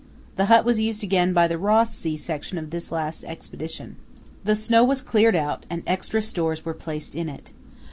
The hut was used again by the Ross Sea Section of this last Expedition. The snow was cleared out and extra stores were placed in it.